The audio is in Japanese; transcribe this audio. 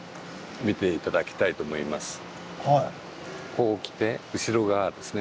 こうきて後ろ側ですね。